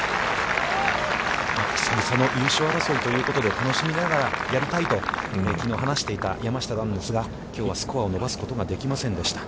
久々の優勝争いということで、楽しみながらやりたいと、きのう話していた山下なんですが、きょうはスコアを伸ばすことができませんでした。